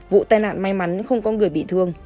vụ tai nạn may mắn không có người bị thương